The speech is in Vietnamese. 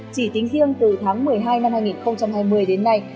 chỉ tính riêng từ tháng một mươi hai năm hai nghìn hai mươi đến nay